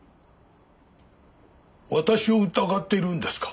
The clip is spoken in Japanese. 私を疑っているんですか？